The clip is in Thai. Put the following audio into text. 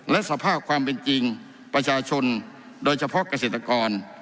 และสภาพความเป็นจริงประชาชนโดยเฉพาะเกษตรกร